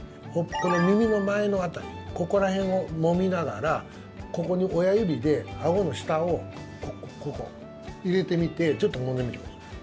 この耳の前の辺りここら辺をもみながらここに親指で、あごの下をここを入れてみてちょっともんでみてください。